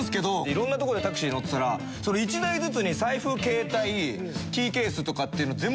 色んなとこでタクシー乗ってたら１台ずつに財布携帯キーケースとかっていうの全部忘れて。